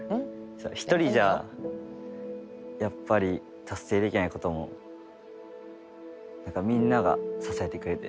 一人じゃやっぱり達成できないこともみんなが支えてくれて。